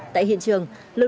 tại hiện trường lực lượng